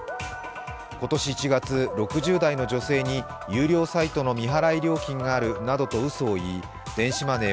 今年１月６０代の女性に有料サイトの未払い料金があるなどとうそを言い電子マネー